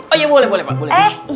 oh iya boleh boleh pak boleh